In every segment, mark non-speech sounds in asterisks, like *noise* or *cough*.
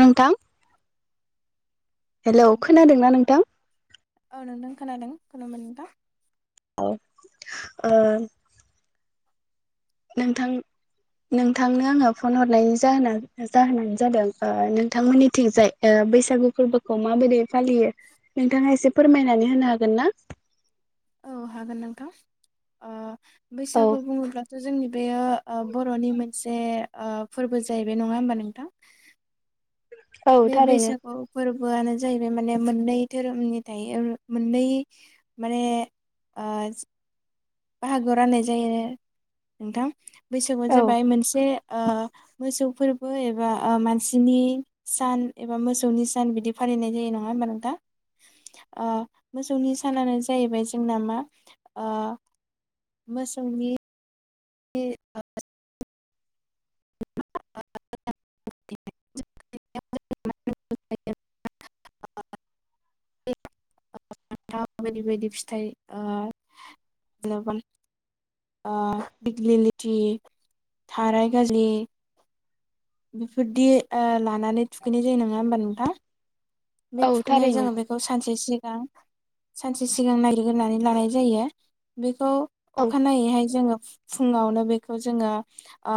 नोंथां अ हेल' खोनादोंना नोंथां औ नोंदों खोनादों खुलुमबाय नोंथां औ आ नोंथां नोंथांनो आङो फन हरनायनि जाहोन जाहोनानो जादों ओ नोंथांमोननि थिंजाय ओ बैसागु फोरबोखौ माबोरै फालियो नोंथाङा एसे फोरमायनानै होनो हागोन ना अ हागोन नोंथां ओ औ बैसागु बुङोब्लाथ' जोंनि बेयो ओ बर'नि मोन मोनसे ओ फोरबो जाहैबाय नङा होमबा नोंथां औ बे थारैनो बैसागु फोरबो बोआनो जाहैबाय माने मोननै धोरोमनि थायो मोननै माने ओ बाहागोआव राननाय जायो आरो नोंथां बैसागुआनो औ जाबाय मोनसे मोसौ फोरबो एबा ओ मानसिनि सान एबा मोसौनि सान बिदि फालिनाय जायो नङा होमबा नोंथा ओ मोसौनि सानानो जाहैबाय जोंना मा ओ मोसौनि फथाव बायदि बायदि फिथाइ ओ जेनबा ओ बिग्लिलिथि थाराय गालि बेफोरदि ओ लानानै थुखैनाय जायो नङा होमबा नोंथां बे औ थुखैनायाव थारैनो जोङो बेखौ सानसे सिगां सानसे सिगां नागगिरग्रानै लानाय जायो बेखौ औ अखानायैहाय जोङो फुङावनो बेखौ जोङो ओ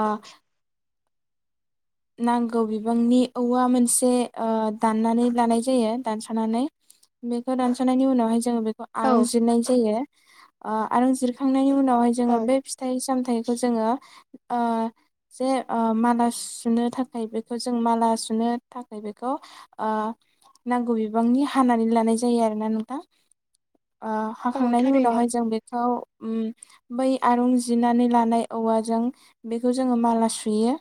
नांगौ बिबांनि औवा मोनसे ओ दाननानै लानाय जायो दानसानानै बेखौ दानसनायनि उनावहाय जोङो औ आरन जिरनाय जायो आरो जिरखांनायनि उना उनावहाय जोङो औ बे फिथाइ सामथाइखौ जों जोङो ओ जे ओ मानास सुनो थाखाय बेखौ जों माला सुनो थाखाय बेखौ ओ नांगौ बिबांनि हानानै लानाय जायो आरोना नोंथां ओ औ हाखांनायनि थारैनो उनावहाय जों बेखौ बै आरं जिनानै लानाय औवाजों बेखौ जोङो माला सुयो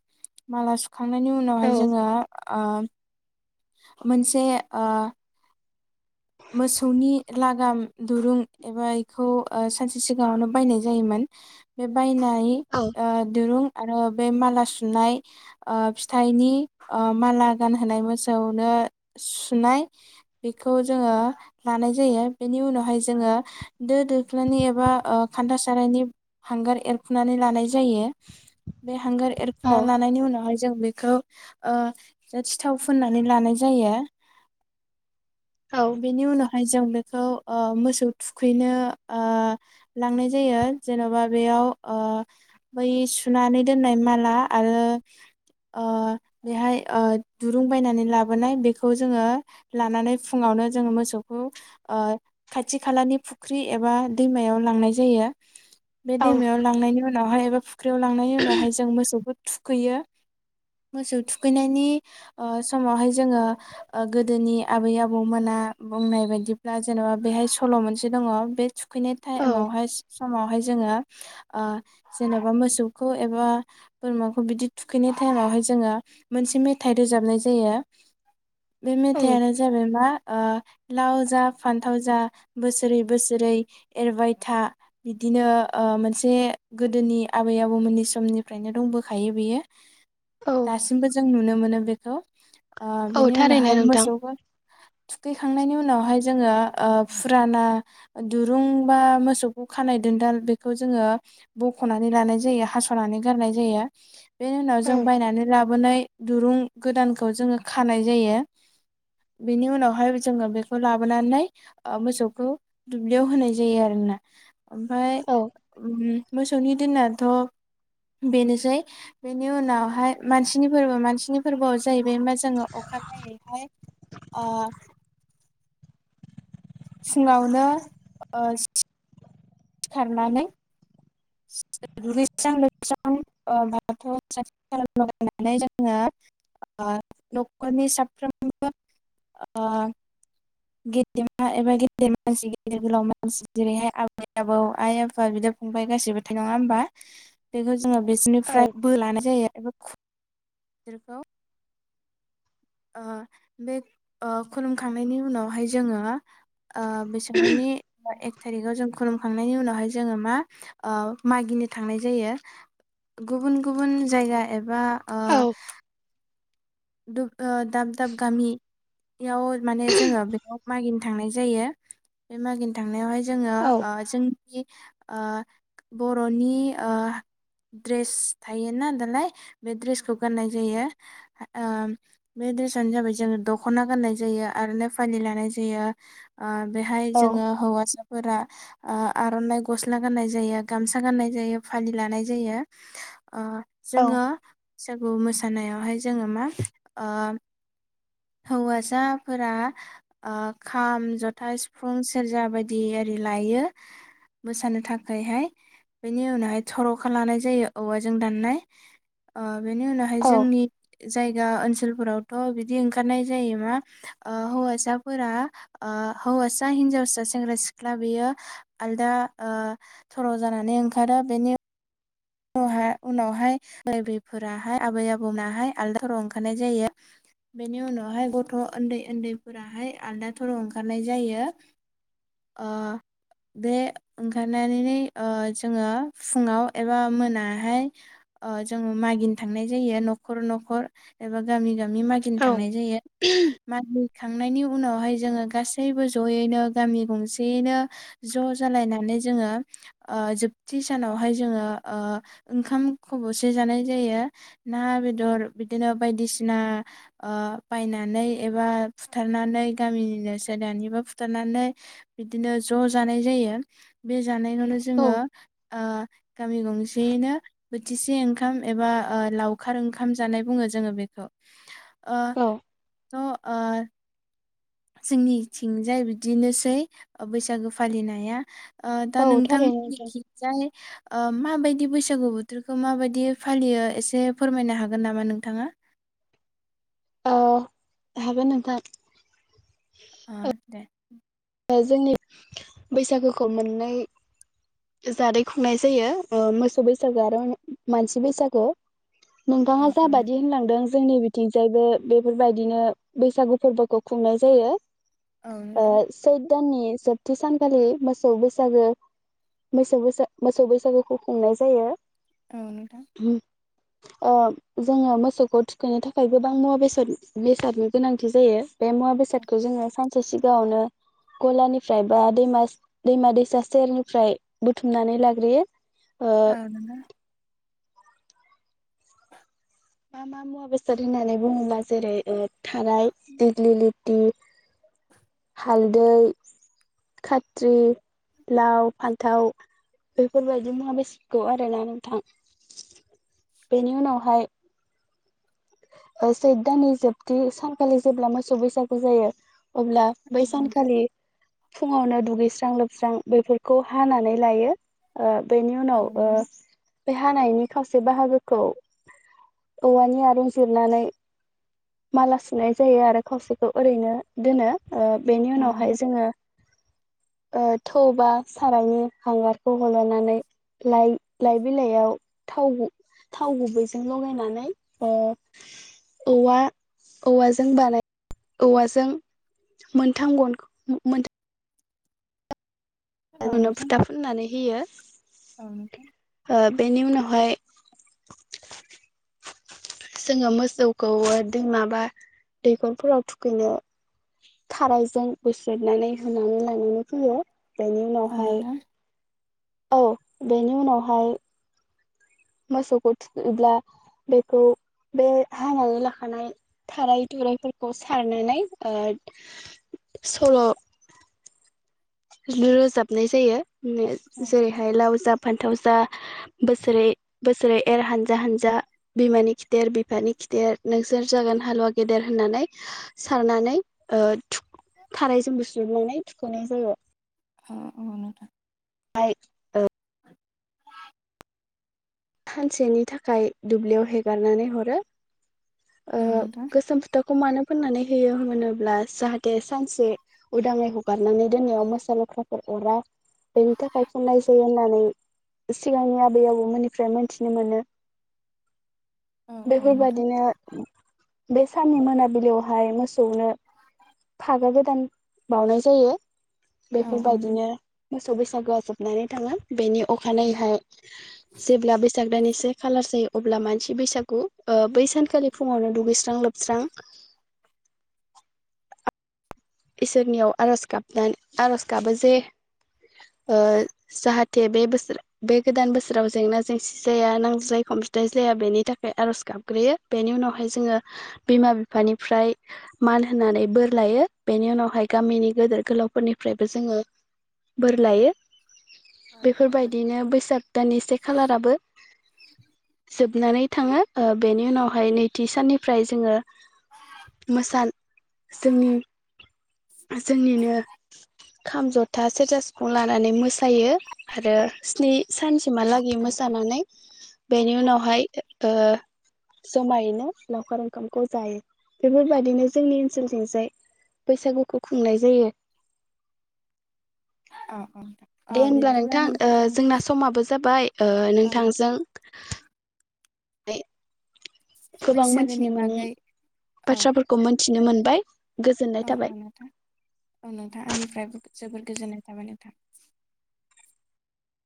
माला खांनायनि औ उनावहाय जोङो ओ मोनसे ओ मोसौनि लागाम दुरुं एबा बेखौ ओ सानसे सिगाङावनो बायनाय जायोमोन बे बायनाय औ ओ दुरुं आरो बे माला सुनाय ओ फिथाइनि माला गानहोनाय मोसौनो सुनाय बेखौ जोङो लानाय जायो बेनि उनावहाय जोङो दो दोख्ल्लानि एबा ओ खान्था सारनि हांगार एरखनानै लानाय जायो हांगार औ एरखना लानायनि उनावहाय जों बेखौ ओ सिथाव फुननानै लानाय जायो औ बेनि उनाव जों बेखौ ओ मोसौ थुखैनो ओ लांनाय जायो जेन'बा बेयाव ओ बै सुनानै दोननाय माला आरो ओ बेहाय दुरुं बायनानै लाबोनाय बेखौ जोङो लानानै फुङावनो जोङो मोसौखौ ओ खाथि खालानि फुख्रि एबा दैमायाव लांनाय जायो बे दैमायाव लांनायनि उनाव उनावहाय एबा फुख्रियाव लांनायनि उनावहाय जों मोसौफोर थुखैयो मोसौ थुखैनायनि समावहाय जोङो ओ गोदोनि आबै आबौ आबौ मोना बुंनाय बायदिब्ला जेन'बा बेहाय सल' मोनसे दङ' उखैनाय औ टाइमावहाय समावहाय जोङो ओ जेनेबा मोसौखौ एबा बोरमाखौ बिदि थुखैनाय टाइमावहाय जोङो मोनसे मेथाइ रोजाबनाय जायो बे औ मेथायानो जाबाय मा ओ लाव जा फान्थाव जा बोसोरै बोसोरै एरबाय था बिदिनो ओ मोनसे गोदोनि आबै आबौमोननि समनिफ्रायनो दंबोखायो बेयो औ दासिमबो जों नुनो मोनो बेखौ हेल' ओ औ बेनि थारैनो उनावहाय नोंथां मोसौखौ दुगैखांनायनि उनावहाय जोङो ओ फुराना दुरुं बा मोसौखौ खानाय दोनदाल बेखौ जोङो बख'नानै लानाय जायो हास'नानै गारनाय जायो बे उनाव औ जों बायनानै ला लाबोनाय दुरुं गोदानखौ जोङो खानाय जायो बेनि उनावहाय जोङो बेखौ लाबोनानै ओ मोसौखौ दुब्लियाव होनाय जायो आरोना ओमफ्राय औ उम मोसौनि दिननाथ' बेनोसै बेनि उनावहाय मानसिनि फोरबो मानसिनि फोरबोआव जाहैबाय मा जोङो अखानायायैहाय अ सिगावनो *unintelligible* खारनानै *unintelligible* गेदमा एबा गेदेर मानसि गेदेर गोलाव मानसि जेरैहाय आबै आबौ आइ आफा बिदा फंबाय गासिबो था नङा होमबा बेखौ जोङो औ बिसोरनिफ्राय बो लानाय जायो *unintelligible* ओ बे खुलुमखांनायनि उनावहाय जोङो ओ बिसोरनि थारिखआव जों खुलुमखांनायनि उनावहाय जोङो मा ओ मागिनो थांनाय जायो गुबुन गुबुन जायगा एबा आ औ *inaudible* ओ दाब दाब गामि *unintelligible* माने जोङो बेखौ मागिनो थांनाय जायो बे मागिनो थांनायावहाय जोङो औ ओ जोंनि ओ बर'नि ओ ड्रेस थायोना दालाय बे ड्रेसखौ गाननाय जायो ओ बे दड्रेसनो जाबाय जोङो दख'ना गाननाय जायो आरो ने फालि लानाय जायो ओ बेहाय औ जोङो हौवासाफोरा ओ आर'नाइ गस्ला गाननाय जायो गामसा गाननाय जायो फालि लानाय जायो ओ जोङो बैसागु मोसा खानायावहाय जोङो मा ओ हौवसाफोरा ओ खाम जथा सिफुं सेरजा बायदि आरि लायो मोसानो थाखायहाय बेनि उनावहाय थर'खा लानाय जायो औवाजों दाननाय बेनि उनावहाय औ जोंनि जायगा ओनसोलफोरावथ' बिदि ओंखारनाय जायो मा ओ हौवासाफोरा ओ हौवासा हिनजावसा सेंग्रा सिख्ला बेयो आलदा थर' जानानै ओंखारो बेनि उनावहाय बै बैफोराहाय आबै आबौमोनाहाय आलदा थराव ओंखारनाय जायो बेनि उनावहाय गथ' उन्दै उन्दैफोराहाय आलदा थराव ओंखारनाय जायो ओ बे ओंखारनानै ओ जोङो फुङाव *unintelligible* मोनाहाय ओ जोङो मागिनो थांनाय जायो न'खर न'खर एबा गामि गामि मि मागिनो औ थांनाय जायो मा खांनायनि उनावहाय जोङो गासैबो ज'यैनो गामि गंसेयैनो ज' जालायनानै जोङो जोबथि सानावहाय जोङो ओ ओंखाम खब'से जानाय जायो ना बेदर बिदिनो बायदिसिना ओ बायनानै एबा फुथारनानै गामिनो सोरनिबा फुथारनानै बिदिनो ज' जानाय जायो बे जानायखौवनो जोङो गामि गंसेयैनो बोथिसे ओंखाम एबा ओ लावखार ओंखाम जानाय बुङो जोङो बेखौ ओ औ थ' ओ जोंनिथिंजाय बिदिनोसै बैसागो फालिनाया ओ दा औ नोंथां थारैनो मिथिजाय ओ माबायदि बैसागु बोथोरखौ माबायदि फालियो एसे फोरमायनो हागोन नामा नोंथाङा औ हागोन नोंथां अ *inaudible* ओ जोंनि बैसागोखौ मोननै जादै खुंनाय जायो मोसौ बैसागो आरो मानसि बैसागु औ नोंथाङा औ जाबायदि नोंथां होनलांदों जोंनि थिगजायबो बेफोरबायदिनो बैसागु फोरबोखौ खुंनाय जायो औ नोंथां आ दाननि जोबथि सानखालि मोसौ बैसागो मोसौ बै मोसौ बैसागुखौ खुंनाय जायो औ नोथां अ जोङो मोसौखौ थुखैनो थाखाय गोबां मुवा बेसाद बेसादनि गोनांथि जायो बे मुवा बेसादखौ जोङो सिगाङावनो गलानिफ्राय बा दैमा दैमा दैसा सेरनिफ्राय बुथुमनानै लाग्रोयो ओ आ मा मा मुवा बेसाद होननानै बुङोबा जेरै थाराय दिग्लि लिथि हालदै खात्रि लाव फान्थाव बेफोर बायदि मुवा बेसादखौ आरोना नोंथां बेनि उनावहाय सैथ दाननि जोबथि सानखालि जेब्ला मोसौ बैसागु जायो अब्ला बै औ नोंथां सानखालि फुङावनो दुगैस्रां लोबस्रां बेफोरखौ हानानै लायो ओ बेनि औ उनाव ओ नोंथां बे हानायनि खावसे बाहागोखौ औवानि आरो जिरनानै माला सुनाय जायो आरो खावसेखौ ओरैनो दोनो ओ बेनि औ उनावहाय नोंथां जोङो थौ बा सारायनि हांगारखौ हलनानै लाइ लाइ बिलाइयाव थाव थाव गुबैजों लगायनानै औवा औवाजों बानाय औवाजों मोनथाम गन मोनथाम नो फुथा फुननानै होयो ओ *unintelligible* बेनि उनावहाय जोङो मोसौखौबो दै माबा दैखरफोराव थुखैनो थारायजों बोस्रोदनानै होनानै लानानै फैयो बेनि औ नोंथां औ उनावहाय नोंथां औ बेनि उनावहाय मोसौखौ थुयोब्ला बेखौ बे हानानै लाखानाय थाराय थुरायफोरखौ सारनानै ओ सल' बिनो रोजाबनाय जायो जेरैहाय लाव जा फान्थाव जा बोसोरै बोसोरै एर हानजा हानजा जा बिमानि खिथेर बिफानि खिथेर नोंसोर जागोन हालुवा गेदेर होननानै सारनानै थारायजोंबो सुनानै थुख'नाय जायो औ औ नोंथां *unintelligible* सानसेनि थाखाय दुब्लियाव हेगारनानै हरो ओ औ नोंथां गोसोम फुथोब अमानो फोननानै होयो होनोब्ला जाहा थे सानसे उदाङै हगारनानै दोननायाव मोसा लख्रा अरा बेनि थाखाय खननाय जायो होननानै सिगांनि आबै आबौमोननिफ्राय मोनथिनो मोनो औ औ नोंथां बेफोरबायदिनो बे साननि मोनाबिलियावहाय मोसौनो फागा गोदान बाउनाय जायो औ बेफोरबायदिनो मोसौ बैसागोआ जोबनानै थाङो बेनि उ अखानायैहाय जेब्ला बैसाग दानि सेनिखालार जायो अब्ला मानसि बैसागु ओ बै सानखालि फुङावनो दुगैस्रां लोबस्रां इसोरनियाव आर'ज गाबनानै आर'ज गाबो जे ओ जाहाथे बे बोसोर बे गोदान बोसोराव जेंना जेंसि जाया नांज्लाय खमज्लाय जाया बेनि थाखाय आर'ज गाबग्रोयो बेनि उनावहाय जोङो बिमा बिफानिफ्राय मान होनानै बोर लायो बेनि उनावहाय गामिनि गेदेर गोलावफोरनिफ्रायबो जोङो बोर लायो बेफोरबायदिनो बैसाग दाननि से खालाराबो जोबनानै थाङो ओ बेनि उनावहाय नैथि साननिफ्राय जोङो मोसा जोंनि जोंनिनो खाम जथा सेरजा सिफुं लानानै मोस मोसायो आरो स्नि सानसिमहालागि मोसानानै बेनि उनावहाय ओ जमायैनो लावखार ओंखामखौ जायो बेफोरबायदिनो जोंनि ओनसोलथिं जाय बैसागुखौ खुंनाय जायो अ दे होनब्ला नोंथां जोंना समाबो जाबाय ओ औ नोंथां नोंथांजों दे गोबां बैसागोनि मोनथिनो मोनो बागै औ बाथ्राफोरखौ मोन मिथिनो मोनबाय गोजोननाय औ थाबाय औ नोंथां औ नोंथां आंनिफ्रायबो जोबोर गोजोननाय थाबाय नोंथां